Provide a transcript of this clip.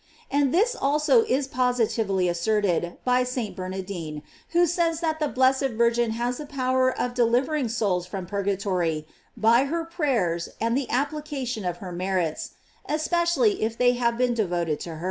And this also is positively asserted by St. Bernar dine, who says that the blessed Virgin has the power of delivering souls from purgatory by her prayers and the application of her merits, especially if they have been devoted to her.